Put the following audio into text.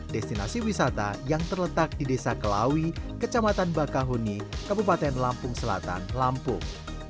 destinasi wisata yang terletak di desa kelawi kecamatan bakahuni kabupaten lampung selatan lampung